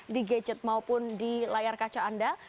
di gadget maupun di layar kaca anda